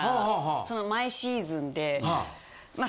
その毎シーズンで。